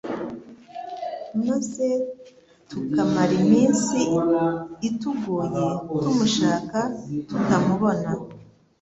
maze tukamara iminsi itugoye tumushaka tutamubona